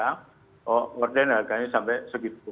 nah pak morda yang harganya sampai segitu